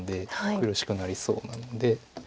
苦しくなりそうなんで。